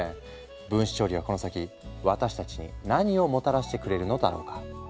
分子調理はこの先私たちに何をもたらしてくれるのだろうか？